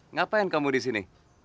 ngapain kamu di sini